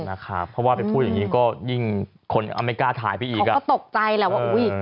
นะครับเพราะว่าไปพูดอย่างนี้ก็ยิ่งคนไม่กล้าถ่ายไปอีกอ่ะก็ตกใจแหละว่าอุ้ย